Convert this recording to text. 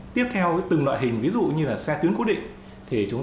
tiếp theo với từng loại hình ví dụ như là xe tuyến cố định